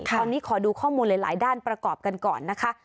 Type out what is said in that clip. ตอนนี้ขอดูข้อมูลหลายด้านประกอบกันก่อนนะคะ